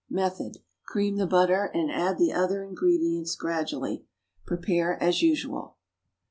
Method. Cream the butter and add the other ingredients gradually. Prepare as usual.